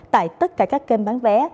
tại tất cả các kênh bán vé